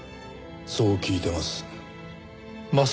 そう聞いてます。